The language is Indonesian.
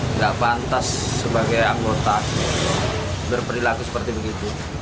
tidak pantas sebagai anggota berperilaku seperti begitu